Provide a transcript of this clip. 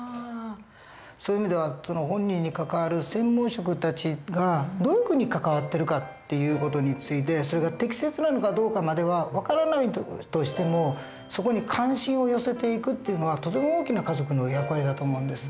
そういう意味では本人に関わる専門職たちがどういうふうに関わってるかっていう事についてそれが適切なのかどうかまでは分からないとしてもそこに関心を寄せていくっていうのはとても大きな家族の役割だと思うんです。